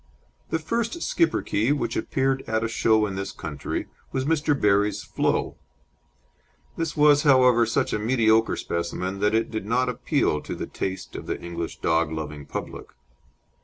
The first Schipperke which appeared at a show in this country was Mr. Berrie's Flo. This was, however, such a mediocre specimen that it did not appeal to the taste of the English dog loving public.